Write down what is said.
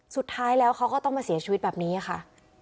สุดท้ายแล้วเขาก็ต้องมาเสียชีวิตแบบนี้ค่ะ